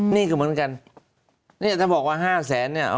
นี่ก็เหมือนกันเนี่ยถ้าบอกว่า๕แสนเนี่ย